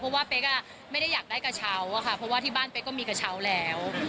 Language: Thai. เพราะว่าเป๊กไม่ได้อยากได้กระเช้าอะค่ะเพราะว่าที่บ้านเป๊กก็มีกระเช้าแล้ว